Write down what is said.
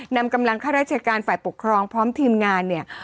นำกำลังข้าราชการฝ่ายปกครองพร้อมทีมงานเนี่ย